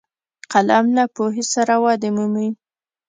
قلم له پوهې سره ودې مومي